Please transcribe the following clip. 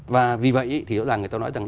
và vì vậy thì người ta nói rằng